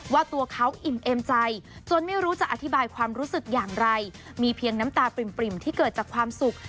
ว่าตัวเขาอิ่มเอ็มใจจนไม่รู้จะอธิบายความรู้สึกอย่างไรมีเพียงน้ำตาปริ่มที่เกิดจากความสุข